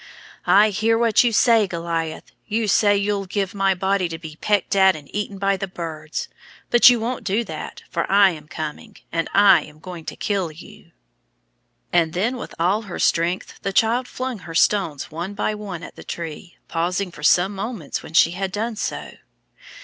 "I hear what you say, Goliath. You say you'll give my body to be pecked at and eaten by the birds; but you won't do that, for I am coming, and I am going to kill you." And then with all her strength the child flung her stones one by one at the tree, pausing for some moments when she had done so.